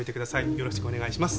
よろしくお願いします。